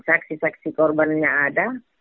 saksi saksi korbannya ada